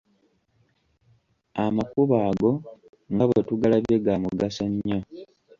Amakubo ago nga bwe tugalabye, ga mugaso nnyo.